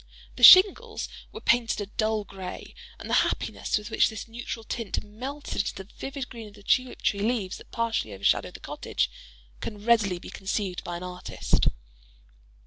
The shingles were painted a dull gray; and the happiness with which this neutral tint melted into the vivid green of the tulip tree leaves that partially overshadowed the cottage, can readily be conceived by an artist.